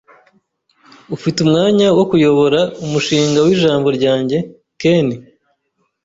Ufite umwanya wo kuyobora umushinga wijambo ryanjye, Ken?